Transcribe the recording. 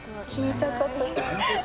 聞いたことない。